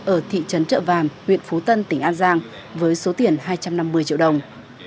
ở thị trấn trợ vàm huyện phú tân tỉnh an giang với số tiền hai trăm năm mươi triệu đồng